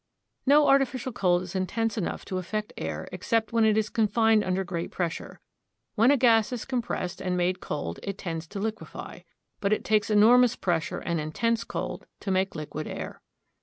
No artificial cold is intense enough to affect air except when it is confined under great pressure. When a gas is compressed and made cold it tends to liquefy. But it takes enormous pressure and intense cold to make liquid air.